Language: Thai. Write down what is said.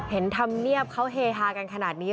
ธรรมเนียบเขาเฮฮากันขนาดนี้